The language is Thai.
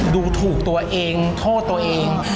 ดูถูกตัวเองโทษตัวเอง